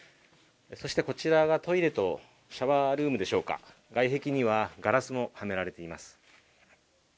こちらがトイレとシャワールームでしょうか、外壁にはガラスもはめられています。